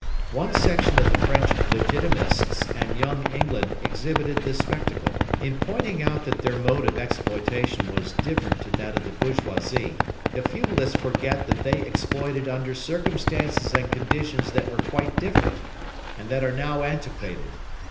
One section of the French Legitimists and "Young England" exhibited this spectacle. In pointing out that their mode of exploitation was different to that of the bourgeoisie, the feudalists forget that they exploited under circumstances and conditions that were quite different, and that are now antiquated.